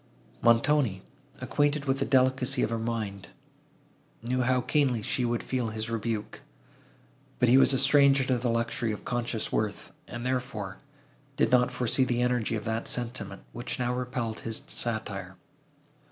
Montoni, acquainted with the delicacy of her mind, knew how keenly she would feel his rebuke; but he was a stranger to the luxury of conscious worth, and, therefore, did not foresee the energy of that sentiment, which now repelled his satire.